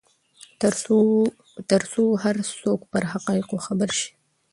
ترڅو هر څوک پر حقایقو خبر شي.